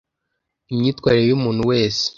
imyitwarire y’umuntu, wese